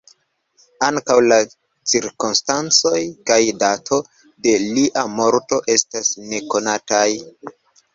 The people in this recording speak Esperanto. Ankaŭ la cirkonstancoj kaj dato de lia morto estas nekonataj.